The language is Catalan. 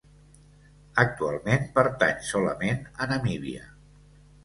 Actualment pertany solament a Namíbia.